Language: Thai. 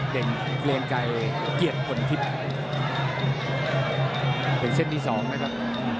เต็มเกลียนไกลเกียจคนทิศเห็นเส้นที่๒นะครับ